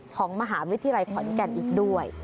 ของมหาวิทยาลัยขอนแก่นอีกด้วย